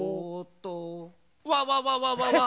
わわわわわわ！